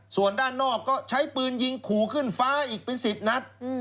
ส่วนด้านนอกก็ใช้ปืนยิงขู่ขึ้นฟ้าอีกเป็น๑๐นัด